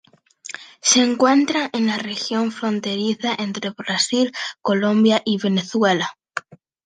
Se encuentra en la región fronteriza entre Brasil, Colombia y Venezuela.